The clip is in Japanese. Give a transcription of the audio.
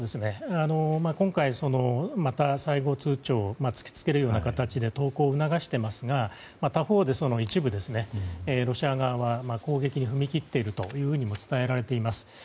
今回、また最後通牒を突きつけるような形で投降を促してますが他方で、一部、ロシア側は攻撃に踏み切っているというふうにも伝えられています。